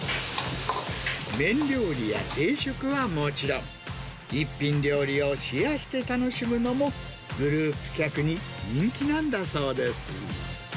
麺料理や定食はもちろん、１品料理をシェアして楽しむのも、グループ客に人気なんだそうです。